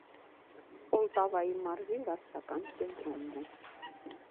Պոլտավայի մարզի վարչական կենտրոնն է։